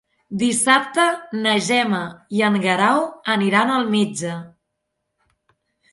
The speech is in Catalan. Dissabte na Gemma i en Guerau aniran al metge.